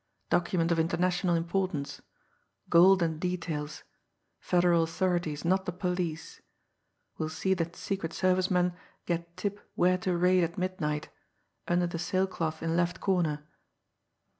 document of international importance, ... gold and details ... Federal authorities, not the police ... will see that Secret Service men get tip where to raid at midnight ... under the sail cloth in left corner